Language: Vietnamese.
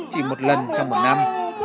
chỉ một lần trong một năm